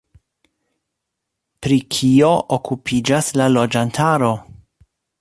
Pri kio okupiĝas la loĝantaro?